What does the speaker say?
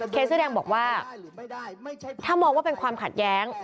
เสื้อแดงบอกว่าถ้ามองว่าเป็นความขัดแย้ง